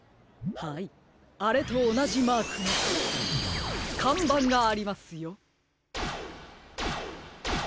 はいあれとおなじマークのかんばんがありますよ。